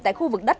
tại khu vực đất